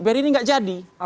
biar ini gak jadi